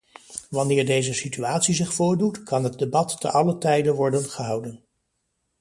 Wanneer deze situatie zich voordoet, kan het debat te allen tijde worden gehouden.